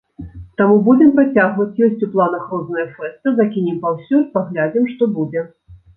Таму будзем працягваць, ёсць у планах розныя фэсты, закінем паўсюль, паглядзім, што будзе.